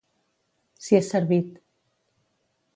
Si és servit.